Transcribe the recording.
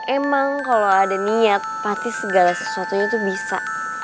emang kalau ada niat pasti segala sesuatunya tuh bisa